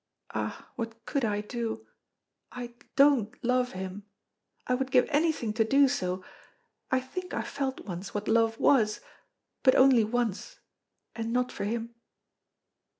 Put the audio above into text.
Ah, what could I do? I don't love him. I would give anything to do so. I think I felt once what love was, but only once, and not for him."